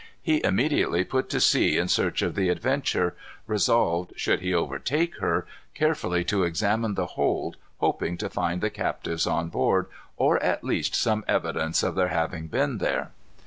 He immediately put to sea in search of the Adventure, resolved, should he overtake her, carefully to examine the hold, hoping to find the captives on board, or at least some evidence of their having been there.